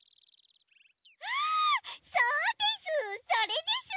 あそうです！